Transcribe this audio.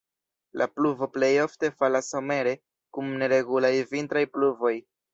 La pluvo plejofte falas somere, kun neregulaj vintraj pluvoj.